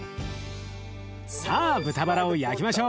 さあ豚ばらを焼きましょう！